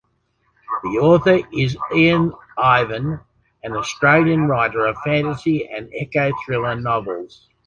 The author is Ian Irvine, an Australian writer of fantasy and eco-thriller novels.